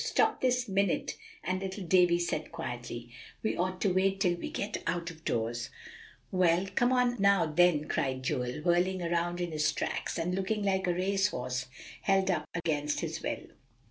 Stop this minute;" and little Davie said quietly, "We ought to wait till we get out of doors." "Well, come on out now, then," cried Joel, whirling around in his tracks, and looking like a race horse held up against his will.